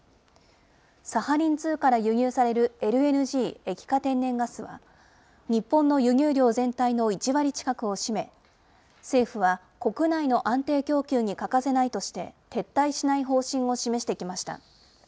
サハリン２から輸入されるＬＮＧ・液化天然ガスは、日本の輸入量全体の１割近くを占め、政府は国内の安定供給に欠かせないとして、撤退しない方針を示してきました。